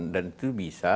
dan itu bisa